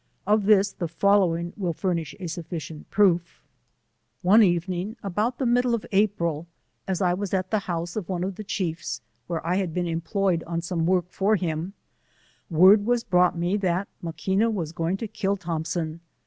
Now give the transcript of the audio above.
Of this the following wili furnish a sufficient proof : One evening about the middle of April, as I was at the house of one of the chiefs, where I had been employed on some work for him, word was brought me that Maquina was going to kill Thompson.